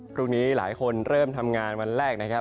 พรุ่งนี้หลายคนเริ่มทำงานวันแรกนะครับ